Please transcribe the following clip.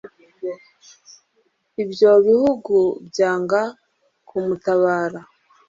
ibyo bihugu byanga kumutabara.